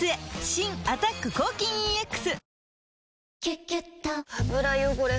新「アタック抗菌ＥＸ」「キュキュット」油汚れ